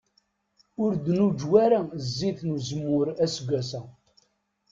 Ur d-nuǧew ara zzit n uzemmur aseggas-a.